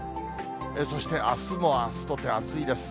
そしてあすもあすとて暑いです。